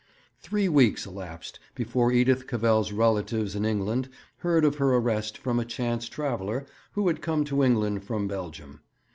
Three weeks elapsed before Edith Cavell's relatives in England heard of her arrest from a chance traveller who had come to England from Belgium.